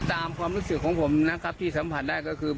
ความรู้สึกของผมนะครับที่สัมผัสได้ก็คือ